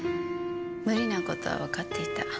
無理な事はわかっていた。